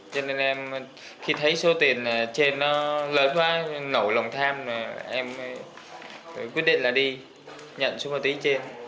cho nên em khi thấy số tiền trên nó lớn quá nổ lòng tham là em mới quyết định là đi nhận số ma túy trên